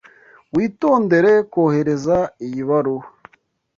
Witondere kohereza iyi baruwa.